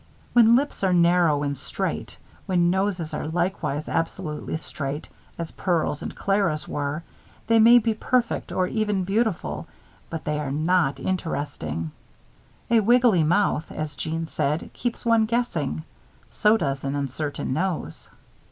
When lips are narrow and straight, when noses are likewise absolutely straight, as Pearl's and Clara's were, they may be perfect or even beautiful, but they are not interesting. A wiggly mouth, as Jeanne said, keeps one guessing. So does an uncertain nose.